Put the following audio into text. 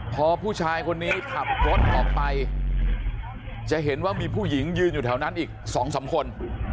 พอผู้ชายคนนี้ขับรถออกไปจะเห็นว่ามีผู้หญิงยืนอยู่แถวนั้นอีก๒๓คน